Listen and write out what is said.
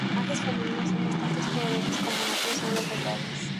Los personajes femeninos son bastante poderosos, como en otras obras de Graves.